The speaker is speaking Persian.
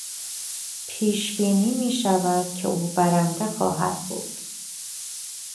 پیشبینی میشود که او برنده خواهد بود.